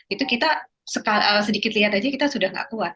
itu kita sedikit lihat aja kita sudah tidak kuat